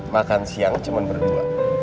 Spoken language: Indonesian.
makan siang cuman berdua